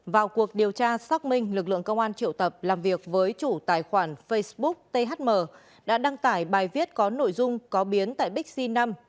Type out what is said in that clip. vào cuộc điều tra xác minh lực lượng công an triệu tập làm việc với chủ tài khoản facebook thm đã đăng tải bài viết có nội dung có biến tại bixi năm